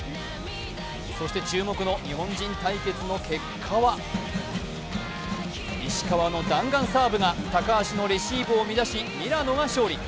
そして注目の日本人対決の結果は石川の弾丸サーブが高橋のレシーブを乱しミラノが勝利。